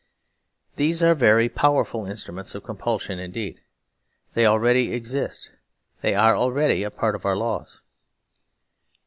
These are very powerful instruments of compul sion indeed. They already exist. They are already a part of our laws.